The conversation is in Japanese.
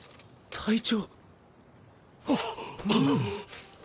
隊長